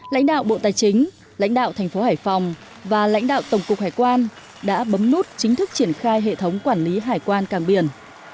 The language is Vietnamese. lãnh đạo bộ tài chính lãnh đạo thành phố hải phòng và lãnh đạo tổng cục hải quan đã bấm nút chính thức triển khai hệ thống quản lý hải quan cảng biển